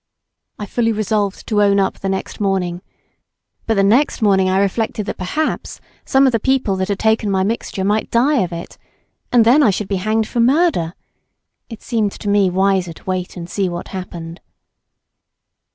I fully resolved to own up the next morning, but the next morning I reflected that perhaps some of the people that had taken my mixture might die of it and then I should be hanged for murder; 'it seemed to me wiser to wait and see what happened.